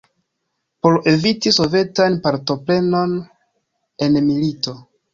Por eviti Sovetan partoprenon en milito.